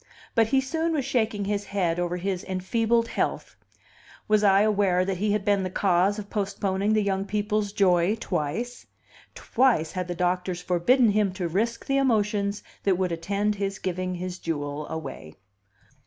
But he soon was shaking his head over his enfeebled health. Was I aware that he had been the cause of postponing the young people's joy twice? Twice had the doctors forbidden him to risk the emotions that would attend his giving his jewel away.